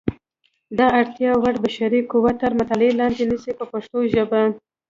د اړتیا وړ بشري قوت تر مطالعې لاندې نیسي په پښتو ژبه.